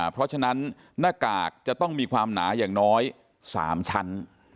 เพราะฉะนั้นหน้ากากจะต้องมีความหนาอย่างน้อย๓ชั้น